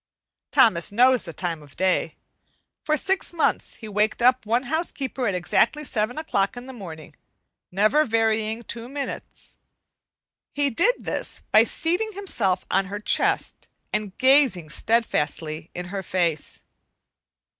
Thomas knows the time of day. For six months he waked up one housekeeper at exactly seven o'clock in the morning, never varying two minutes. He did this by seating himself on her chest and gazing steadfastly in her face.